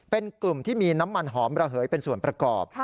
เป็นกลุ่มที่มีน้ำมันหอมระเหยเป็นส่วนประกอบ